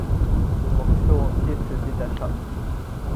Le morceau entier se détacha.